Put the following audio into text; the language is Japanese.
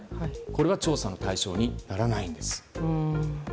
これは調査の対象にならないんです。